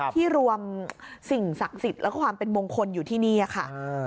ที่รวมสิ่งศักดิ์สิทธิ์และความเป็นมงคลอยู่ที่นี่ค่ะ